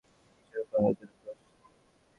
বেপরোয়া হওয়ার জন্য প্রশিক্ষিত।